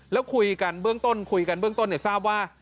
แล้วคุยกันเบื้องต้นคุยกันเบื้องต้นทราบว่า